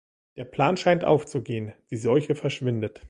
Der Plan scheint aufzugehen, die Seuche verschwindet.